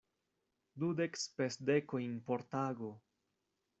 Dudek spesdekojn por tago!